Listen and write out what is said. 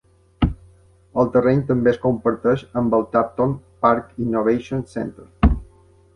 El terreny també es comparteix amb el Tapton Park Innovation Centre.